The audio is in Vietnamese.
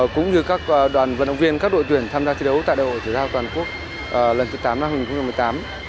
cũng như các đoàn vận động viên các đội tuyển tham gia thi đấu tại đại hội thể thao toàn quốc lần thứ tám năm hai nghìn một mươi tám